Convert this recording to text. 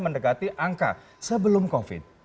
mendekati angka sebelum covid